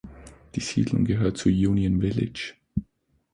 Die Siedlung gehört zu Union Village.